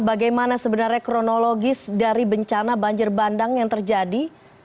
bagaimana sebenarnya kronologis dari bencana banjir bandang yang terjadi